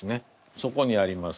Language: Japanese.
そこにあります